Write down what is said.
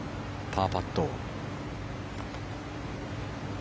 パーパット。